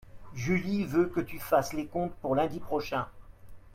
Julie veut que tu fasses les comptes pour lundi prochain.